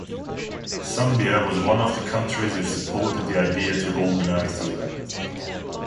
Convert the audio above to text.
Zambia was one of the countries which supported the idea to organize the event.